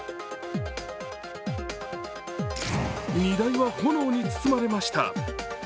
荷台は炎に包まれました。